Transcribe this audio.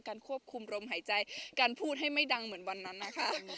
ควบคุมรมหายใจการพูดให้ไม่ดังเหมือนวันนั้นนะคะ